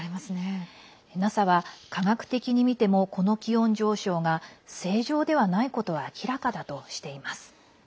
ＮＡＳＡは科学的に見てもこの気温上昇が正常ではないことは明らかだとしています。